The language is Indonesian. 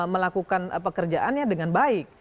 melakukan pekerjaannya dengan baik